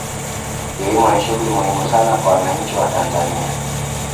kilimo ni shughuli muhimu sana kwa wananchi wa tanzania